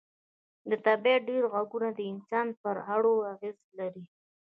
د طبیعت ډېر غږونه د انسان پر اروا اغېز لري